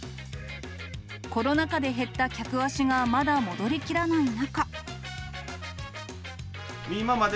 コロナ禍で減った客足がまだ戻りきらない中。